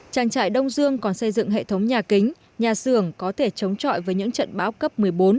trang trại đông dương còn xây dựng hệ thống nhà kính nhà xưởng có thể chống trọi với những trận bão cấp một mươi bốn một mươi năm